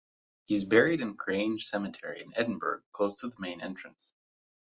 He is buried in Grange Cemetery in Edinburgh close to the main entrance.